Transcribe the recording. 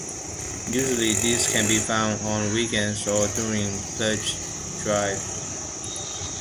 Usually these can be found on weekends or during pledge drives.